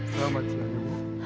selamat siang ibu